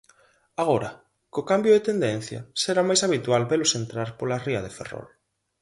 Agora, co cambio de tendencia, será máis habitual velos entrar pola ría de Ferrol.